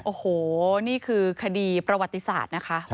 โอ้โหนี่คือคดีประวัติศาสตร์นะคะ